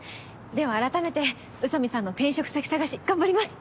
では改めて宇佐美さんの転職先探し頑張ります。